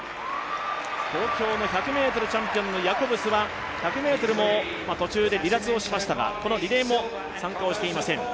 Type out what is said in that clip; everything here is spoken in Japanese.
東京の１００ｍチャンピオンのヤコブスは１００ｍも途中で離脱しましたがこのリレーも参加をしていません。